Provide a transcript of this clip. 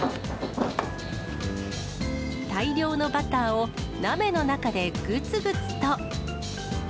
大量のバターを、鍋の中でぐつぐつと。